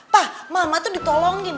pa mama tuh ditolongin